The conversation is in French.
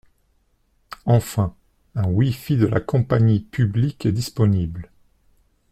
Enfin, un Wi-Fi de la compagnie publique est disponible.